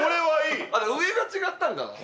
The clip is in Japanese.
上が違ったんかな？